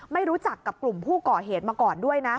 ไม่รู้จักกับกลุ่มผู้ก่อเหตุมาก่อนด้วยนะ